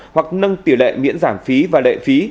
hoặc nâng tỷ lệ miễn giảm phí và lệ phí